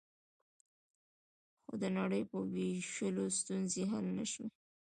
خو د نړۍ په وېشلو ستونزې حل نه شوې